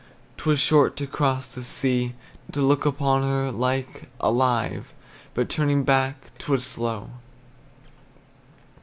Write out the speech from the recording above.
'T was short to cross the sea To look upon her like, alive, But turning back 't was slow.